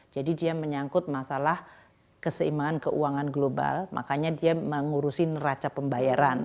jadi dia menyangkut masalah keseimbangan keuangan global makanya dia mengurusin raca pembayaran